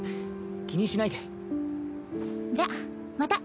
気にしないでじゃまた！